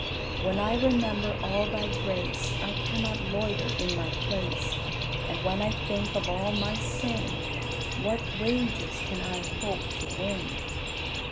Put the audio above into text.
When I remember all Thy grace, I cannot loiter in my place: And when I think of all my sin, What wages can I hope to win?